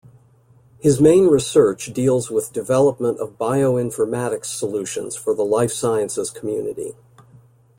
His main research deals with development of bioinformatics solutions for the Life Sciences community.